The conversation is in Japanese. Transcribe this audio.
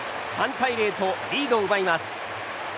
３対０とリードを奪います。